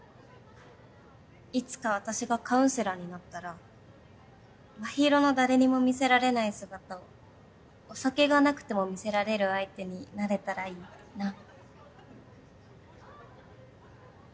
いつか私がカウンセラーになったら真尋の誰にも見せられない姿をお酒がなくても見せられる相手になれたらいいな。